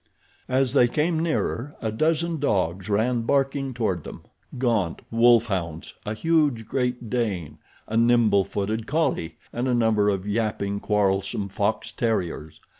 As they came nearer a dozen dogs ran barking toward them—gaunt wolf hounds, a huge great Dane, a nimble footed collie and a number of yapping, quarrelsome fox terriers.